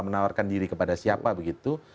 menawarkan diri kepada siapa begitu